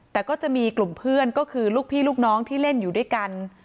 แต่ก็จะมีกลุ่มเพื่อนก็คือลูกพี่ลูกน้องที่เล่นอยู่ด้วยกัน